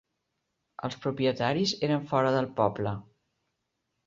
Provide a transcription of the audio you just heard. Els propietaris eren fora del poble